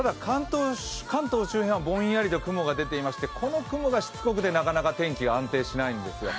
関東中心はぼんやりとしてこの雲がしつこくてなかなか天気が安定しないんですよ。